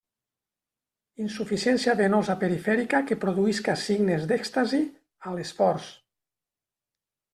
Insuficiència venosa perifèrica que produïsca signes d'èxtasi a l'esforç.